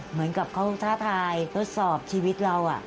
เหมือนกับเขาท้าทายทดสอบชีวิตเรา